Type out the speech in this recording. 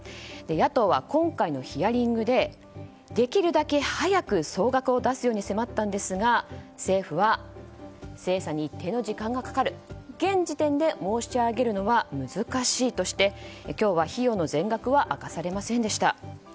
野党は今回のヒアリングでできるだけ早く総額を出すように迫ったんですが政府は精査に一定の時間がかかる現時点で申し上げるのは難しいとして今日は費用の全額は明かされませんでした。